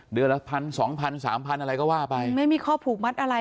เดือนละพันสองพันสามพันอะไรก็ว่าไปไม่มีข้อผูกมัดอะไร